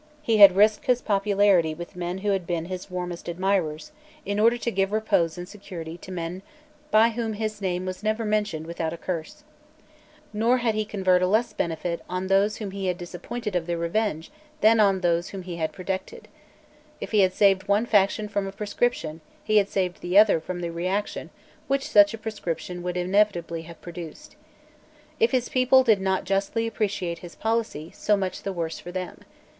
He had risked his popularity with men who had been his warmest admirers, in order to give repose and security to men by whom his name was never mentioned without a curse. Nor had he conferred a less benefit on those whom he had disappointed of their revenge than on those whom he had protected. If he had saved one faction from a proscription, he had saved the other from the reaction which such a proscription would inevitably have produced. If his people did not justly appreciate his policy, so much the worse for them.